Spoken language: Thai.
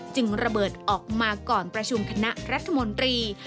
ระเบิดออกมาก่อนประชุมคณะรัฐมนตรี